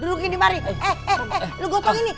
bang kamleng bisa di dalam begini